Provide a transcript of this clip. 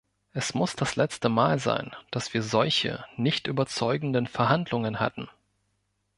Es muss das letzte Mal sein, dass wir solche nicht überzeugenden Verhandlungen hatten.